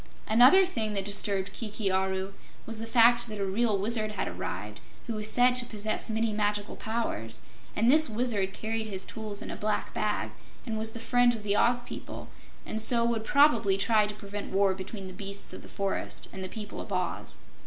Another thing that disturbed Kiki Aru was the fact that a real Wizard had arrived, who was said to possess many magical powers, and this Wizard carried his tools in a black bag, and was the friend of the Oz people, and so would probably try to prevent war between the beasts of the forest and the people of Oz.